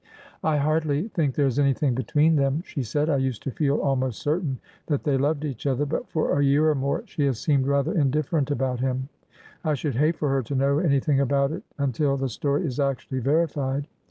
'' I hardly think there is anything between them," she said. I used to feel almost certain that they loved each other, but for a year or more she has seemed rather in diflrerent about him. I should hate for her to know any thing about it until the story is actually verified."